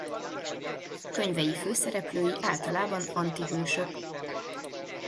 Könyvei főszereplői általában antihősök.